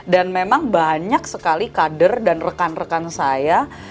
dan memang banyak sekali kader dan rekan rekan saya